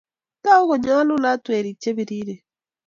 Togu ko nyalulat werik che biriren